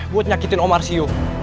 buat nyakitin omar siu